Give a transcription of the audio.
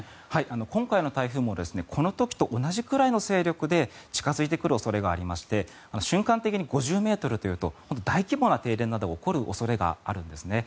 今回の台風もこの時と同じくらいの勢力で近付いてくる恐れがありまして瞬間的に５０ｍというと本当に大規模な停電などが起こる恐れがあるんですね。